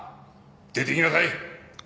出ていきなさい。